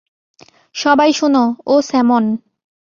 সবাই শোনো, ও স্যামন।